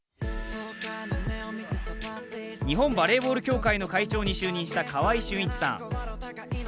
日本バレーボール協会の会長に就任した川合俊一さん。